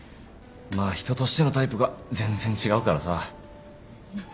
まあ人としてのタイプが全然違うからさ。